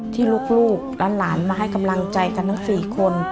ที่ลูกหลานมาให้กำลังใจกันทั้ง๔คน